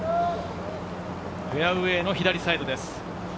フェアウエーの左サイドです。